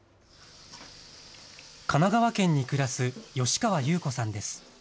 神奈川県に暮らす吉川優子さんです。